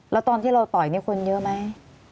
แล้วตอนที่เราต่อยนี่คนเยอะไหม